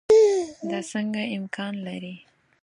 دا څنګه امکان لري.